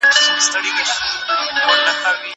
که وخت وي، سينه سپين کوم!!